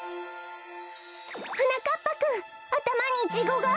はなかっぱくんあたまにイチゴが！